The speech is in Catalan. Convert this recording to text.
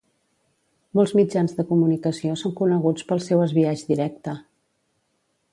Molts mitjans de comunicació són coneguts pel seu esbiaix directe.